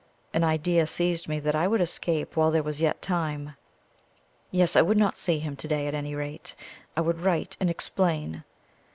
An idea seized me that I would escape while there was yet time. Yes! ... I would not see him to day, at any rate; I would write and explain.